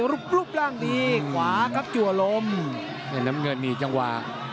รุบรุบร่างดีขวาก็จู่อลมนี่น้ำเงินหนีจังหวา